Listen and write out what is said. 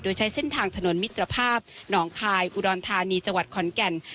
โดยใช้เส้นทางถนนมิตรภาพหนองคายอุดรธานีจังหวัดขอนแก่น